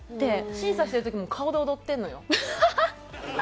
審査してる時も顔で踊ってるのよ。